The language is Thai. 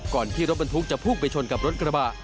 ที่รถบรรทุกจะพุ่งไปชนกับรถกระบะ